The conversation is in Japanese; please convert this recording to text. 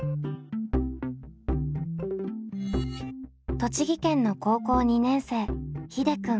栃木県の高校２年生ひでくん。